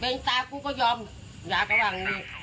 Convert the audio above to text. เป็นตามกูก็ยอม